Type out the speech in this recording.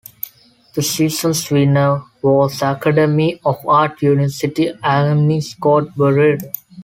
The season's winner was Academy of Art University alumni Scott Borrero.